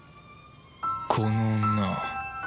この女